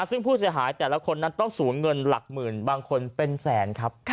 ซึ่งผู้เสียหายแต่ละคนนั้นต้องสูญเงินหลักหมื่นบางคนเป็นแสนครับ